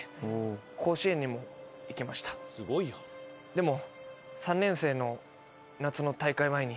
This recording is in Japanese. でも。